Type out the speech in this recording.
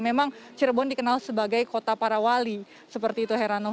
memang cirebon dikenal sebagai kota para wali seperti itu heranov